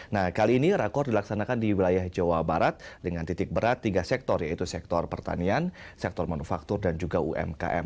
nah kali ini rakor dilaksanakan di wilayah jawa barat dengan titik berat tiga sektor yaitu sektor pertanian sektor manufaktur dan juga umkm